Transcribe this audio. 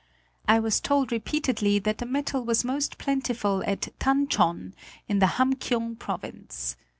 I was told repeatedly that the metal was most plentiful at Tan chhon, in the Ham kiung province.